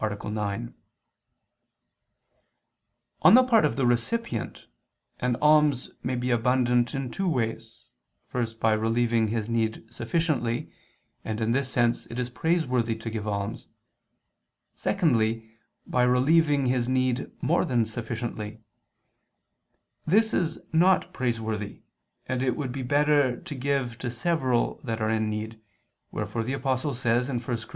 9). On the part of the recipient, an alms may be abundant in two ways; first, by relieving his need sufficiently, and in this sense it is praiseworthy to give alms: secondly, by relieving his need more than sufficiently; this is not praiseworthy, and it would be better to give to several that are in need, wherefore the Apostle says (1 Cor.